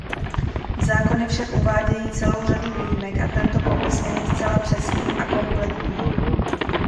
Zákony však uvádějí celou řadu výjimek a tento popis není zcela přesný a kompletní.